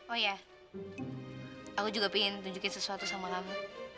oh iya aku juga pengen tunjukin sesuatu sama kamu